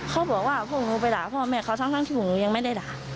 เขาบอกว่าพวกหนูไปด่าพ่อแม่เขาทั้งที่พวกหนูยังไม่ได้ด่า